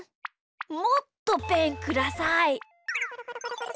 もっとペンください。